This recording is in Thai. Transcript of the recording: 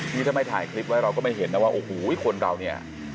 นี่ถ้าไม่ถ่ายคลิปไว้เราก็ไม่เห็นนะว่าโอ้โหคนเราเนี่ย